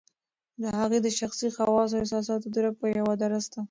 د هغه د شخصي خواصو او احساساتو درک په یوه درسته